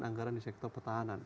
dan anggaran di sektor pertahanan